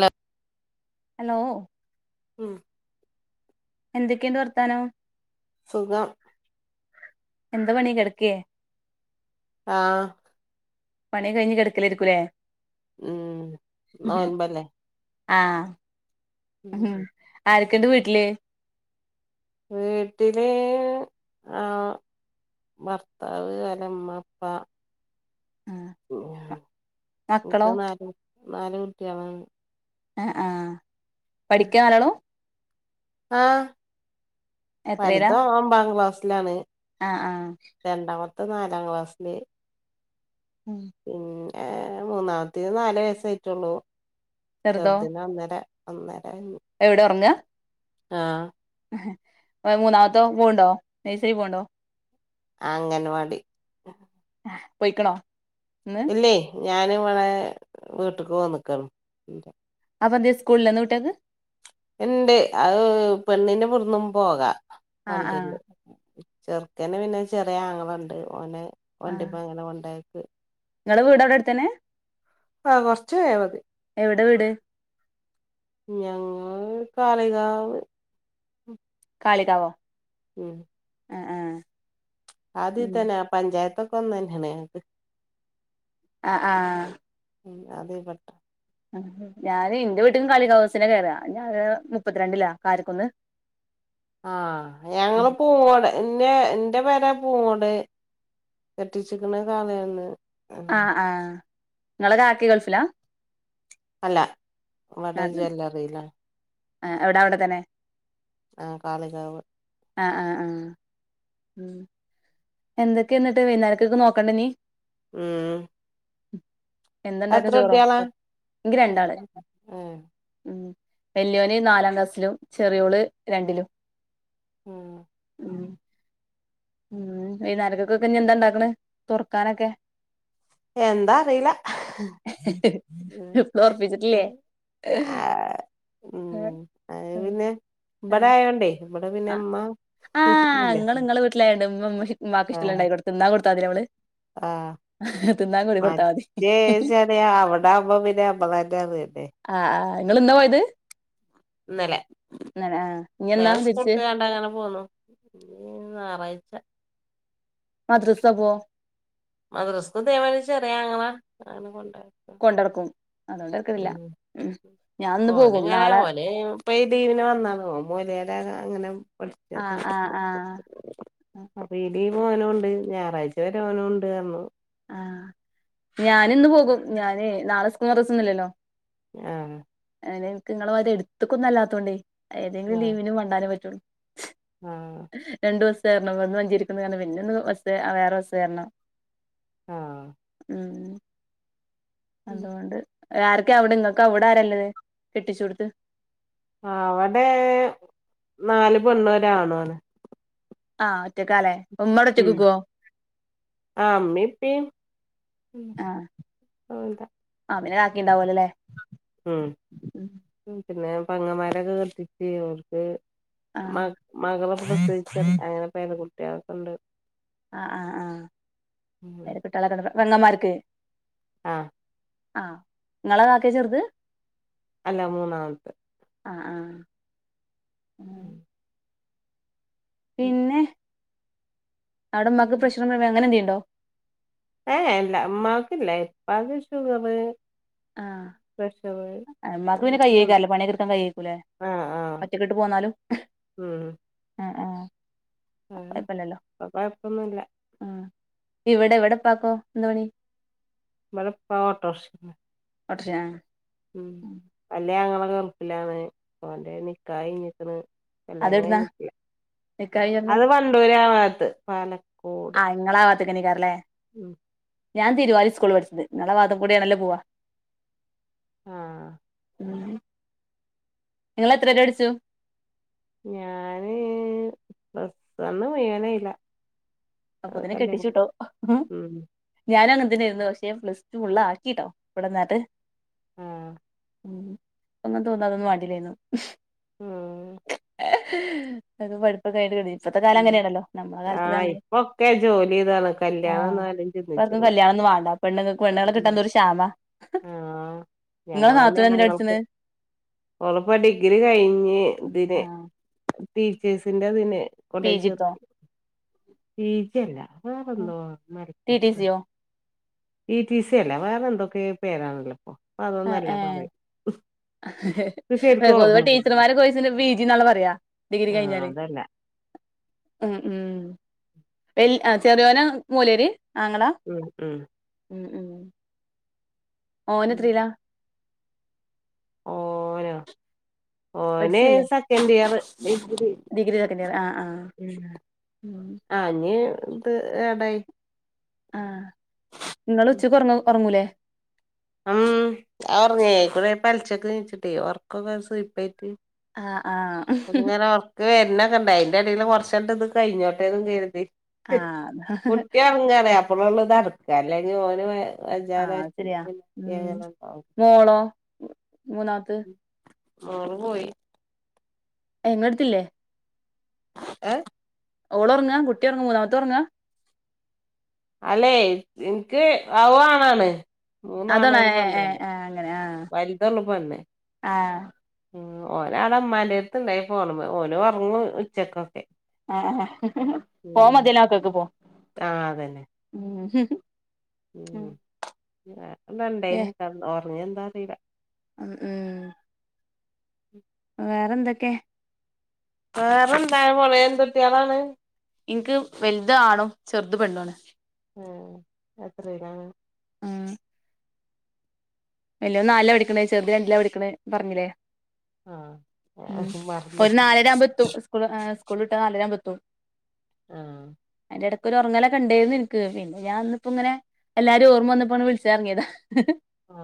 Hello hello ഉം എന്തൊക്കെയണ്ട് വർത്താനോ സുുകം എന്ത പണി കിടക്കേ ആഹ പണി കഴിഞ്ഞ് കിടക്കലരിക്കലേ ഉം ആമ്പല്ലേ ആഹ ഉ ആർക്കണ്ട് വീട്ടില് വീട്ടിലെ ആഹ ഭർത്താവ് അലമ്മപ്പാ ആഹ് മക്കളോ ക്ക് നല് നാാല കുട്ടിയള ആ ആഹ പഠിക്കാ നല്ലളോ ആഹ എത്രയിലാ വലതും ഒമ്പാം ക്ലാസ്സിലാണ് ആഹ് ആഹ് രണ്ടാമത്തെ പത്ത നാലാം ക്ലാസ്സിില് ഉം പിന്നെ മൂന്നാമത്ത നാല വയസായിട്ടുള്ളൂ ചെറുതോ ചെറുദിനെ അന്നേരം അന്നേരം എവിടെ ഉറങ്ങാ ആഹ മൂന്നാമത്തോൻ പോണ്ടോ നഴ്സറി പോണ്ടോ? അംഗൻവാടി. പോയിക്കണോ? ഇന്ന് ഇല്ലേ ഞാനും ഇവിടെ വീട്ടക്ക് വന്നിക്കാണ്. അതെന്തേ സ്കൂളില്ലാ ഇന്ന് കുട്ടികക്ക്? ഇണ്ട് അത് പെണ്ണിന് ഇബുടന്നും പോകാം ആഹ് ആഹ് വണ്ടീയിണ്ട്. ചെറുക്കന് പിന്നെ ചെറിയ ആങ്ങളുണ്ട് ഓനെ ആഹ് വണ്ടിപ്പോ അങ്ങനെ കൊണ്ടെയാക്കും. നിങ്ങളെ വീട് അവിടെ അടുത്തന്നെയാ? ആ കുറച്ച് പോയാ മതി. എവിടെ വീട്? ഞങ്ങൾ കാളികാവ് കാളികാവോ? ഉം ആഹ് ആഹ് ഉം ആദ്യത്തന്നെ ആ പഞ്ചായത്തൊക്കെ ഒന്ന് തന്നെയാണ്. ആ ആഹ് ഉം അതേ പട്ട ഞാന് എന്റെ വീട്ടിക്കും കളികാവ് ബസ്സിനാ കേറാ ഞാന് മുപ്പത്തിരണ്ടിലാ കാര്ക്കുന്ന് ആഹ് ഞങ്ങള് പൂങ്ങോട് എ ന്റെ എന്റെ പേരെ പൂങ്ങോട് കെട്ടിച്ചിക്കുനണ കാളയന്ന്. ആഹ് ആഹ് നിങ്ങളെ കാക്കി ഗൾഫിലാ? അല്ല ഇവിടെ ജ്വല്ലറിയിലാ. ആ എവിട അവിടെ തന്നെ? ആഹ് കാളികാവ്. ആഹ് ആഹ് ആഹ് ഉം എന്തൊക്കെയ എന്നിട്ട് വൈുന്നേരക്കക്ക് നോക്കണ്ടേ ഇനി? ആ എന്തണ്ടാക്കാ ചോറോ? എനിക്ക് രണ്ടാള്. ഏഹ് വെല്യോന് നാലാം ക്ലാസിലും ചെറിയോള് രണ്ടിലും. ഉം ഉം ഉം വൈന്നേരക്കൊക്കെ ഇനി എന്താ ഇണ്ടാക്കണ് തുറക്കാനൊക്കെ? എന്താ അറിയില്ലാ. ഇപ്പളും ഒറപ്പിച്ചിട്ടില്ലേ ആ ഉം അയ് പിന്നെ ഇബടായോണ്ടേ ആ ആഹ് നിങ്ങൾ നിങ്ങളെ വീട്ടിലയോണ്ട് ബഇമ്മ ഇമ്മാക്ക് ആഹ് ഇഷ്ടള്ളണ്ടായി കൊടുത്തു തിന്നാൻ കൊ ടുത്തതിയല്ലോ മ്മള്. ആഹ് മതി മറ്റേച്ചാല് അവിടെ ആകുമ്പ പിന്നെ അമ്മമാ ആ നിങ്ങള് എന്നാ പോയത്? ഇന്നലെ ഇന്നലെ ആഹ് ഇനി എന്നാ തിരിച്ച് സ്കൂളുട്ടു കണ്ടങ്ങനെ പോന്നു. ഴിച്ച. മദ്രസക്കോ? മദ്രസക്കും [unintelligible] ചെറിയ ആങ്ങള അങ്ങനെ കൊണ്ടാ കൊണ്ട നടക്കും അതുകൊണ്ടക്കുന്നില്ല. ഓനങ്ങനെ ഓന പ ഡീവിന് വന്നാല മോലയുടെ അങ്ങനെ ആഹ് ആഹ് ആഹ് ലീവോനുണ്ട് ഞായറാഴ്ച വരെ ഓനും ഉണ്ട്ന്ന് പറഞ്ഞ്. ആഹ് ഞാനിന്ന് പോകും ഞാന് നാളെ സ്കൂ മദ്രസൊന്നുല്ലല്ലോ. ആഹ് അങ്ങനെനക്ക് നിങ്ങളെത് എടുത്തുക്കൊന്ന അല്ലാത്തോണ്ടേ ഏതെങ്കിലും ആഹ് ലീവിനും വണ്ടാലേ പറ്റുള്ളൂ. ആഹ് രണ്ടു ദിവസം. [unintelligible] കേറണം പിന്നെ ഒന്ന് വേറെ ബസ് കേരണം. ആഹ് ഉം അതുകൊണ്ട് ആർക്കെ അവിടെ നിങ്ങക്ക് അവിട ആരല്ലത് കെട്ടിച്ച കൊടുത്ത്- അവിടെ നാല് പെണ്ണൂരാണോ അടെ ആഹ് ഒറ്റക്കാലേ മമ്മോട ഒറ്റക്കക്കുവോ ആ അമ്മ എന്തിയ് ഉണ്ടാവല അല്ലെ ഉം പിന്നെ പെങ്ങന്മാരൊക്കെ കത്തിട്ട് അവർക്ക് ആഹ് മകളെ പ്രസവിച്ച അങ്ങനെ പേരകുട്ടികൾക്കുണ്ട് ആ ആഹ ആഹ പെങ്ങകൻമാർക്ക് ആഹ ആഹ നിങ്ങള ഏറ്റവും ചെറുത് അല്ല മൂന്നാമത്തെ ആ ആ [inaudible] പിന്നെ അവിടമ്മക്ക് പ്രശ്നം അങ്ങനെന്തെയുണ്ടോ ഏല്ല അമ്മാക്കില്ല ഉപ്പാക്ക് ഷുഗറ് ആഹ പ്രഷറ് അമ്മാക്ക് പിന്നെ കയ്യേക്കാല്ലോ പണിയ കിർക്കാൻ കയേക്കൂല്ലേ ഒറ്റക്കെട്ട് പോന്നാലും ഉം ആഹ ആഹ അപ്പ കൊഴപ്പൊന്നുമല്ല ആഹ് ഇവിടെ എവിടെ ഉപ്പാക്കോ എന്ത് മണി ഇവിടെ ഉപ്പാ ഓട്ടോറിക്ഷ ഓട്ടോറിക്ഷ ആ ഉ അല്ലേ ഞങ്ങളെ ഗൾഫിൽലാണ് പോന്റെ നിക്കായിഞ്ഞിക്കന്ന് അതെവിടുന്നാ അട്ട നിക്കാഹ് കഴിഞ്ഞെവിടുന്നാ അത് വണ്ടൂര് ആത്ത് പാല- ആഹ് നിങ്ങളാവാത്ത കനിക്കാറല്ലേ ഉം ഞാൻ തീരുവാലി സ്കൂൾ പഠിച്ചത് നല്ല ഭാഗത്ത്‌ കൂടിയ നല്ല പോവാ ആഹ നിങ്ങൾ എത്ര രൂപക്ക് അടിച്ചു ഞാന് പെട്ടന്ന് പറയാൻ കഴിയില്ല അപ്പൊ ഇതിനെ കെട്ടിച്ചുട്ടോ ഉം ഞാനാണ് ഇതിനരുന്ന് പക്ഷേ പ്ലസ് ടു ഉള്ള ആക്കിട്ടോ ഇവിടെന്നാട്ട് ഉം ഒന്ന തോന്നാതൊന്നും വാണ്ടിലായിന്ന് ഉ അത് പഠിപ്പൊക്കെ ആട്ട് കിട ഇപ്പഴത്തെ കാലം അങ്ങനെയാണല്ലോ നമ്മള കാലത്ത് അങ്ങനെ ഒക്കെ ജോലി ഇതാണ് കല്യാണം എന്നാലും ചിതിച്ചുള്ള പെണ്ണു പെണ്ണകൊ കിട്ടാ എന്ത ഒരു ക്ഷാമ ആഹ് നിങ്ങളെ നാത്തൂന എന്തിനാ പഠിക്കുന്നെ ഉറപ്പ ഡിഗ്രി കഴിഞ്ഞ് ഇതിന് ടീച്ചേഴ്സിന്റെ അതിന്- പിജി ക്കോ പി ജി അല്ല വേറെന്തുവാ ടി ടി മലപ്പുറത്ത് സിയോ ഇ ടി സി അല്ല വേറെ എന്തൊക്കെ പേരാണല്ലോ ഇപ്പൊ ഏഹ് അതൊന്നല്ലേ പറയും ഇത് ശരിക്കും പൊതുവെ ഓർമ്മല്ല ടീച്ചർമ്മാരുടെകോഴ്സിനു പിജിന്നാ പറയാ ഡിഗ്രി ആഹ് കഴിഞ്ഞാല് അതല്ല ഉ ഉ എ ചെറിയോന മൂലര് [unintelligible] ഉം ഉം ഓൻ എത്രയില ഓൻ ഓ ഓനെ പഠിച്ചല്ലേ second year degree second year ആഹ് ആഹ് ഉം ആഞ് ഇത് ഏട ആ നിങ്ങ ഉച്ചക്ക് ഉറങ്ങൂലേ ഉം ഞ്ഞേക്കൂടെ പലശൊക്കെ നീച്ചിട്ടേ ഉറക്കൊക്കെ സപ്പായിട്ട് ആഹ് അങ്ങനെ ഉർക്ക് വരുന്നൊക്കെ ഇണ്ട അയിന്റെ ഇടയിൽ കൊറച്ചണ്ട് ഇത് കഴിഞ്ഞോട്ടേും കരുതി ആഹ് ആഹ് കുട്ടി ഇറങ്ങാന്ന് അപ്പഴള്ളത് അടക്ക അല്ലെ ഓന് വജാന ആഹ് അത് ശരിയാ അങ്ങനെ ഉം ഉണ്ടാവും മൂന്നാത്ത് ആ പോയി എങ്ങടുത്തില്ലേ ഏഹ ഓള ഉറങ്ങാ കുട്ടി ഇറങ്ങ മൂന്നാമത്തെ ഉറങ്ങാ അല്ലെ എനിക്ക് അവുണാണ് മൂന്നാണ അതാണോ ഒരു ഏഹ് ഏഹ് പെണ്ണാണ് ഏഹ് അങ്ങനെ ആഹ് വലുതുള്ള പെണ്ണ ആഹ് ഉ ഓന ആള അമ്മാന്റെത്ത ഇണ്ടായി പോ ഓന് ഉറങ്ങും ഉച്ചക്കൊക്കെ ആഹ പോ മതിനോക്കൊക്കെ പോ ആഹ അതന്നെ ഉ ഉ വണ്ടേനക്ക ഓറഞ്ഞ എന്താ അറിയില്ല അ ഏ ഉ വേറെന്തൊക്കെ ആറെണ്ടായ പോലെ എന്തുൊട്ടിയളാണ് എനിക്ക് വലുത ആണോ ചെറുത് പെണ്ടോണ് ഉം എത്രയട വല്ല നാലാ പടിക്കണേ ചെറുത് രണ്ടില പടിക്കണ പറഞ്ഞില്ലേ ഉ ആഹ് മറന്നു ഒരു നാലര ആവുമ്പോത്തു സ്കൂ സ്ൂളിട്ട് നാലരാൻ പത്തും ആഹ എന്റെ ഇടക്കൊ ഒരു ഉറങ്ങല കണ്ടേരുന്നു എനിക്ക് പിന്നെ ഞാൻന്നിപ്പോ ഇങ്ങനെ എല്ലാരും ഓർമ്മ വന്നപ്പോ വിളിച്ചിറങ്ങിയതാ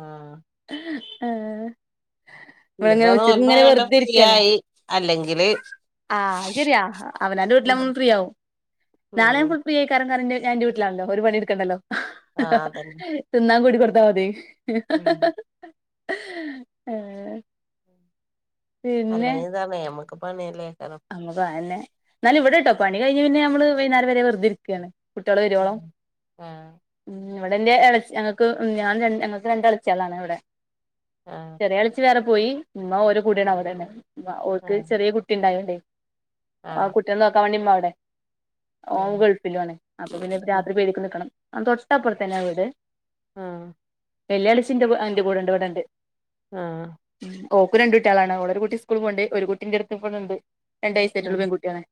ആഹ് ഇപ്പ നോമ്പായോണ്ട ഫ്രീ ഇരിക്കാണ് ആയി അല്ലെങ്കില് ആഹ് ശരിയാ അവനാന്റെ വീട്ടിലന്ന് ഫ്രീ ആവുംും നാളെ ഞ ഉം ഫ്രീ ആയി കറൻ കറിന്റെ ഞാൻ വീട്ടിലാണല്ലോ ഒരു പണി എടുക്കണ്ടല്ലോ ആഹ് അതന്നെ തിന്നാൻ കൂടി കൊടുത്താൽ മതി ഉം ആഹ അല്ലെങ്കീ തണ നമ്മക്ക് പണല്ലേ നമുക്ക്ന്നെ നാല ഇവിടെ കേട്ടോ പണി കഴിഞ്ഞ് പിന്നെ നമ്മ വൈകേര വരെ വെറുതെ ഇരിക്കുകയാണ് കുട്ടികള് വരുവോളോ ആഹ് ഉ ഇവിടെ എന്റെള ഞങ്ങക്ക് ഞാൻ ര ഞങ്ങൾക്ക് രണ്ട് അളിച്ചളാണ് ഇവിടെ ആഹ് ചെറിയ കളിച്ച് വേറെ പോയി ഉമ്മ ഓര കൂടിയാണ് അവിടെണ്ട ഉ ഓർക്ക് ആഹ് ചെറിയ കുട്ടി ഉണ്ടായണ്ടേ ആ ആഹ് കുട്ടിയെ നോക്കാൻ വേണ്ടിമ്മ അവിടെ ഓൻ ആഹ് ഗൾഫിലു ആണ അപ്പൊ പിന്നെ രാത്രി പേടക്ക് നൽക്കണം തൊട്ടപ്പുറത്തന്നെ വീട് ആഹ വെള്ളാളിന്റെ അന്റെ കൂടെ ഉണ്ട് ഇവിടെ ഉണ്ട് ആഹ ഓക്കു രണ്ട കുട്ടികള ആണ്ഓളര കുട്ടി സ്കൂള പോണ്ട് ഒരു കുട്ടിന്റെ അടുത്ത്ും പോുന്നുണ്ട് രണ്ട വയസ്സായിട്ടുള്ള ഉം പെൺകുട്ടിയാണ്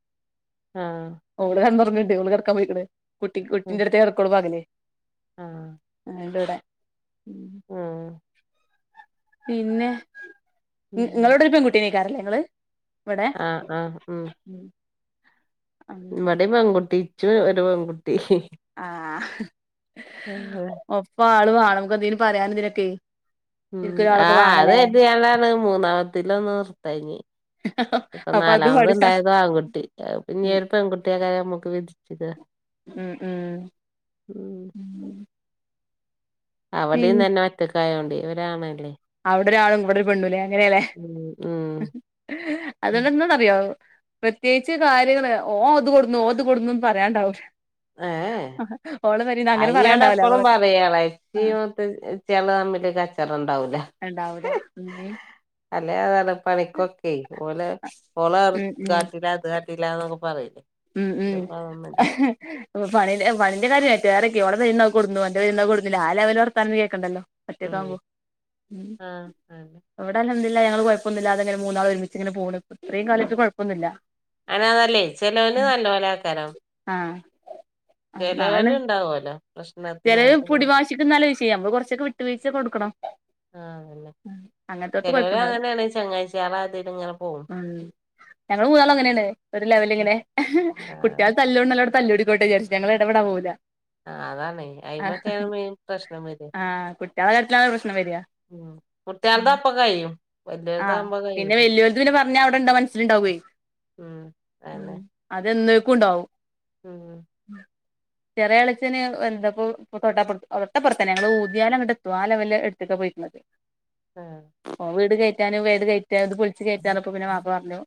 ആഹ് ഓള് കൺ പറഞ്ഞണ്ട് ഓ കറക്കാൻ പോയിണേ കുട്ടി ഉം കുട്ടിന്റെ അടുത്ത് ഹർക്കോൾ ഭാഗല്ലേ അ ഇവിടെ ആഹ പിന്നെ നിങ്ങളോട്രിക്കം കുട്ടീ നക്കാറല്ലേ ങ്ങള് ആഹ് ആഹ ഉ ഇമ്മുടെ പെകുട്ടിിച്ചും ഒരു പെൺകുട്ടി ആഹ ഒപ്പ ആള് വേണം നമക്ക്ന്തീന് പറയാാന ഇതിനൊക്കെ ഉം ശരിക്കും ഒരാളൊക്കെ ആഹ് അത് വേണല്ലേ കട്ടല്ലാണ് മൂന്നാമത്തിലല്ലോന്ന് നിർത്തഴഞ്ഞ ഇപ്പൊ അപ്പൊ അത് നാലാമത് പഠിച്ച ഇണ്ടായത് ആൺകുട്ടി പിന്നെ ഒരു പ പെൺകുട്ടിയ കാര്യ നമ്മുക്ക് വിധിച്ചത് ഉം ഉം ഉം അവിടെന്ന് തന്നെ മറ്റക്കായോണ്ട് ഇവരണല്ലേ അവിടെ ഒരാളും ഇവിടെ ഒരു പെണ്ണുലെ അങ്ങനെയല്ലേ ഉം ഉം അതുകൊണ്ട എന്താ അറിയോ പ്രത്യേകിച്ച് കാര്യങ്ങള് ഓ അത് കൊടുന്നുു ഓ അത് കൊടുന്നുന്ന് പറയണ്ടാവൂില്ല ഹ [unintelligible] അങ്ങനെ അോടെ പറയാണ്ടാവൂല എപ്പഴും ഓള് പറയാളച്ചി ആഹ് മ ചെില തമ്മില് കച്ചടം ഉണ്ടാവൂല ഉണ്ടാവല ഉ അല്ലെ അതാണ് പണിക്കൊക്കെ ഓല ഓള ഉം ഉം കാട്ടില്ല അത് കാട്ടല്ലന്ന്ക്കെ പറയിലേ ഉം ഉം പണി പണന്റെ കാര്യറ്റേൊക്കെ അവിടെൈ കൊടുുന്നു എന്റെറെുന്നാ കൊടുുന്നില്ല ആ ലെവ വത്താനന്ന് കേക്കണ്ടല്ലോ ഉം പറ്റേക്കാ്പോ ഉ ആഹ് അതെ എവിടല്ല ില്ല ഞങ്ങള് കുഴപ്പന്നില്ല അങ്ങെ മൂന്നള ഒരുമിച്ചിങ്ങെ പോ ഉ അനെതല്ലേ ചെിലവന് നല്ല പോലെ ആക്കാരോ ആഹ ചലവല ഉണ്ടാവുമലോ ചില പുൊടി വാശിക്കക്ക് നല്ല ചെയ്യാം നമ്മൾ കൊറച്ചൊക്കെ വിട്ട വീഴിച്ച കൊടുക്കണം ആഹ് അതന്നെ ഉ അങ്ങനത്തെൊക്ക ചെലോര് കൊഴപ്പുണ്ടാവില്ല അങ്ങനെയാണ് ചങ്ങാഴ്ചികളെ അതില് ഇങ്ങനെ പോവും ഉ ഞങ്ങള്ൾ മൂന്നാള അങ്ങനെയാണ് ഒരു ലെവല ഇങ്ങനെ ആഹ് കുട്ടികൾ തല്ലോണ്ടല്ലോ പല്ലൂടിക്കോട്ട് വിരിു ഞങ്ങള് ഇടാ പോകില്ല ആ അതാാണ് അയി്മക്കെയാണ് മെൻ പ്രശ്നം വര് ആഹ് കുട്ടികളെ കാര്യത്തിലാണ് പ്രശ്നം വരിക ഉ കുട്ടിയൽതാ അപ്പൊ കയും ആഹ് പിന്നെ വെല്ലുവിളതുവിെ പറഞ്ഞ അവിടെ എന്താ മനസ്സിലുണ്ടാവേ ഉം അതന്നെ അതെന്തക്കും ഉണ്ടാവും ഉം ചെറിയ അളിച്ചന് എന്തപ്പ തൊട്ടപ്പറ തട്ടപ്പുറത്തന്ന ഞങ്ങള് ഊതിയാലും അ കിട്ടത്തും ആാല വല്ല എടുക്ക ക ആഹ് ക ഇത് പളിച്ച് കയറ്റാറപ്പൊ പിന്നെ മാപ്പ പറഞ്ഞു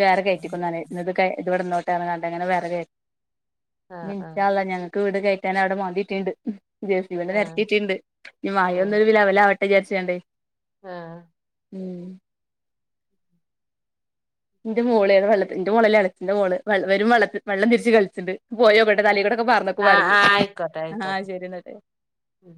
വേ കയറ്റിക്കുന്നന്നാണ് ഇ ഇവിടെോ ട്ട കണ്ട് അങ്ങനെ വറ കയ ആഹ് മിച്ചല്ല ഞങ്ങക്ക് വീട് കയറ്റൻ അവിടെ മതിട്ടുണ്ട് ജേഴ്സി വടെ ആഹ് നിരത്തിയിട്ടിുണ്ട് ഇ മായ ഒന്നൊരു വില അവല്ല അവട്ടെ വിചാരിച്ചണ്ടേ ആഹ ഉം എന്റെ മോളാണ് വെള്ളത്തി എന്റെ മളല്ലെ അണച്ചിന്റെ മോള് വര വള്ള വെള്ളംതിരിച്ച് കളിച്ചിുണ്ട് പോയോക്കട്ടെ ആഹ് തല കോട്ടൊക്കെ പറന്നക്കും ആഹ് ആഹ് പാടകി ആയിക്കോട്ടെ ആഹ ആയിക്കോട്ടെ ശരി എന്നട്ടെ ഉം